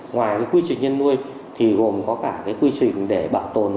ngoài cái quy trình nhân nuôi thì gồm có cả cái quy trình để bảo tồn